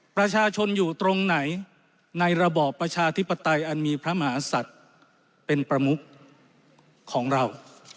ประชาชนอยู่ตรงไหนในระบอบประชาธิปไตยอันมีพระมหาศัตริย์เป็นประมุขของเรา